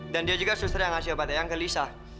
dan dia juga suster yang ngasih obatnya eang ke lisa